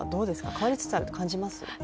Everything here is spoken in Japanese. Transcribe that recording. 変わりつつあると感じます？